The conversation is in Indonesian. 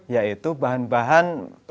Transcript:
yaitu bahan bahan rumah yang dibangun